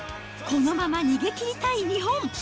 このまま逃げ切りたい日本。